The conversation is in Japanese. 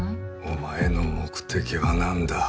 お前の目的は何だ？